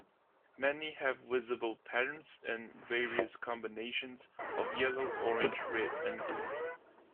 Many have visible patterns in various combinations of yellow, orange, red and green.